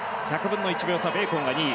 １００分の１秒差でベーコンが２位。